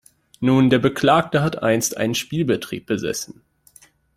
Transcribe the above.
Nun, der Beklagte hat einst einen Spielbetrieb besessen.